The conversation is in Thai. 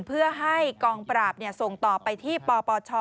เพื่อให้กองปราบส่งต่อไปที่ปปช